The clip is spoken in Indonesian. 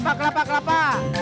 lapa kelapa kelapa